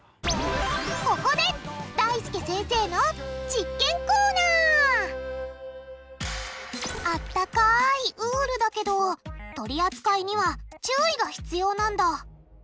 ここであったかいウールだけど取り扱いには注意が必要なんだ！